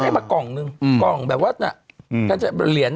ก็ได้มากล่องนึงกล่องแบบว่าเนี่ยเหรียญอ่ะ